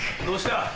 どうした？